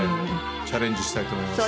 チャレンジしたいと思います。